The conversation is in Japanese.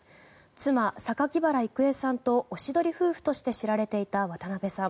妻・榊原郁恵さんとおしどり夫婦として知られていた渡辺さん。